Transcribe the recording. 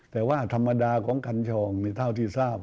แต่ว่าธรรมดาของกัญชองเท่าที่ทราบ